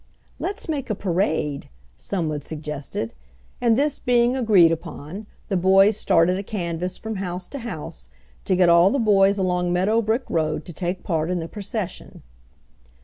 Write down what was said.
"Let's make up a parade!" someone suggested, and this being agreed upon the boys started a canvass from house to house, to get all the boys along Meadow Brook road to take part in the procession.